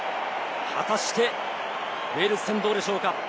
果たしてウェールズ戦、どうでしょうか？